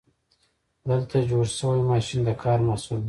دلته جوړ شوی ماشین د کار محصول دی.